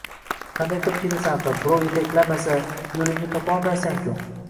Qanday qilib ketasan, axir birov yetaklamasa, yo‘lingni topolmaysan-ku!